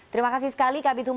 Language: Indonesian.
terima kasih sekali kak bituma